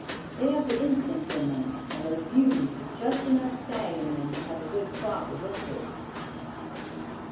They have the instinct in them, and are beauties with just enough stag in them to have a good crop of whiskers.